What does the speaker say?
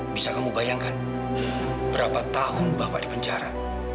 bisa kamu bayangkan berapa tahun bapak di penjara